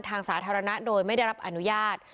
ทางสาธารณะโดยไม่ได้รับอนุญาต